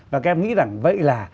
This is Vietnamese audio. và các em nghĩ rằng vậy là